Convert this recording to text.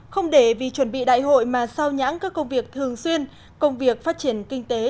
không để vì chuẩn bị đại hội mà sao nhãn các công việc thường xuyên công việc phát triển kinh tế